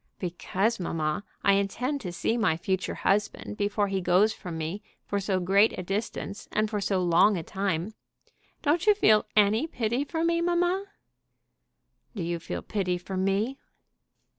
"Because, mamma, I intend to see my future husband before he goes from me for so great a distance, and for so long a time. Don't you feel any pity for me, mamma?" "Do you feel pity for me?"